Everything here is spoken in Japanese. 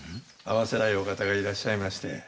会わせたいお方がいらっしゃいまして。